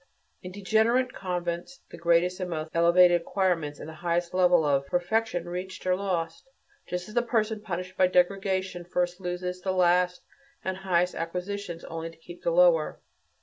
In "degenerate" convents the greatest and most elevated acquirements, and the highest level of perfection reached, are lost; just as a person punished by degradation first loses the last and highest acquisitions, and only keeps the lower.